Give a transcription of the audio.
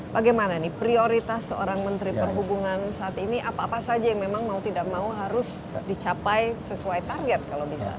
bagaimana nih prioritas seorang menteri perhubungan saat ini apa apa saja yang memang mau tidak mau harus dicapai sesuai target kalau bisa